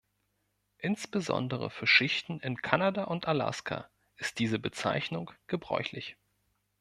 Insbesondere für Schichten in Kanada und Alaska ist diese Bezeichnung gebräuchlich.